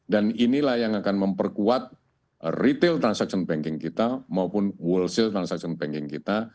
dan inilah yang akan memperkuat retail transaction banking kita maupun wholesale transaction banking kita